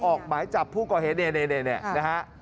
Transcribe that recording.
ออกหมายจับผู้ก่อเหตุเนี่ยนะฮะ